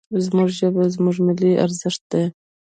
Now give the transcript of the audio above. زموږ ژبه، زموږ ملي ارزښت دی.